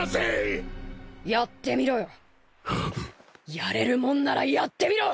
やれるもんならやってみろ！